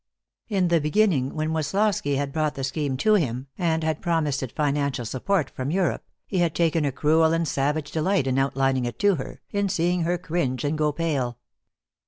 In the beginning, when Woslosky had brought the scheme to him, and had promised it financial support from Europe, he had taken a cruel and savage delight in outlining it to her, in seeing her cringe and go pale.